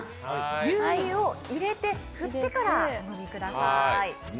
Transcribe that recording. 牛乳を入れて振ってからお飲みください。